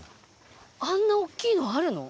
あんな大きいのあるの？